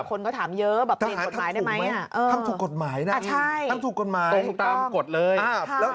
คนก็ถามเยอะแบบเปลี่ยนกฎหมายได้ไหมทำถูกกฎหมายนะทำถูกกฎหมายตรงตามกฎเลย